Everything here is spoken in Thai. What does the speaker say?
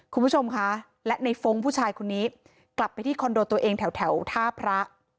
คุณผู้ชมคะและในฟ้องผู้ชายคนนี้กลับไปที่คอนโดตัวเองแถวท่าพระ